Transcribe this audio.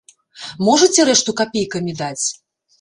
Можаце рэшту капейкамі даць?